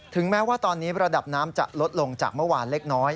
แม้ว่าตอนนี้ระดับน้ำจะลดลงจากเมื่อวานเล็กน้อย